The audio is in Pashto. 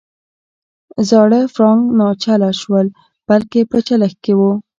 زاړه فرانک ناچله نه شول بلکې په چلښت کې وو.